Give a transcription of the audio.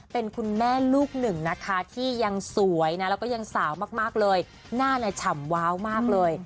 เป็นคุณแม่ลูกหนึ่งนะคะที่ยังสวยนะแล้วก็ยังสาวมากเลยหน้าเนี่ยฉ่ำว้าวมากเลย